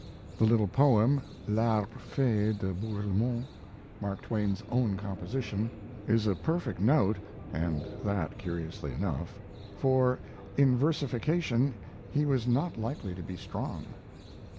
The little poem, "L'Arbre fee de Bourlemont," Mark Twain's own composition, is a perfect note, and that curiously enough, for in versification he was not likely to be strong.